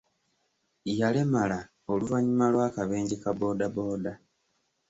Yalemala oluvannyuma lw'akabenje ka boodabooda.